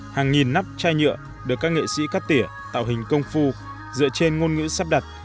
hàng nghìn nắp chai nhựa được các nghệ sĩ cắt tỉa tạo hình công phu dựa trên ngôn ngữ sắp đặt